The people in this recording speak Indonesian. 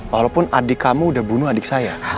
walaupun adik kamu udah bunuh adik saya